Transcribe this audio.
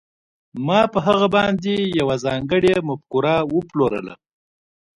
ما په هغه باندې یوه ځانګړې مفکوره وپلورله